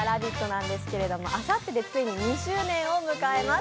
なんですがあさってでついに２周年を迎えます